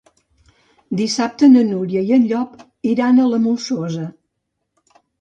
Dissabte na Núria i en Llop iran a la Molsosa.